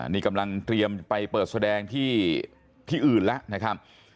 นี่กำลังเตรียมไปเปิดแสดงที่อื่นแล้วนะครับ